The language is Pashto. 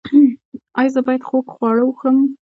ایا زه باید خوږ خواړه وخورم؟